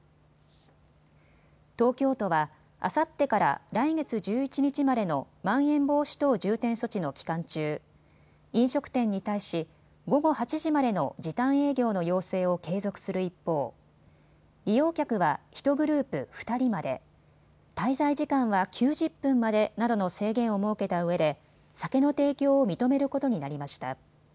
東京都はあさってから来月１１日までのまん延防止等重点措置の期間中、飲食店に対し午後８時までの時短営業の要請を継続する一方、利用客は１グループ２人まで、滞在時間は９０分までなどの制限を設けたうえで酒の提供を認めることになりました。